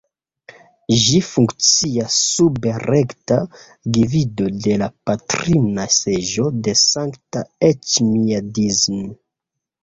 Ĝi funkcias sub rekta gvido de la Patrina Seĝo de Sankta Eĉmiadzin.